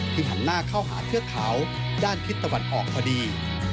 หันหน้าเข้าหาเทือกเขาด้านทิศตะวันออกพอดี